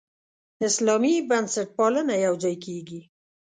اسلامي بنسټپالنه یوځای کېږي.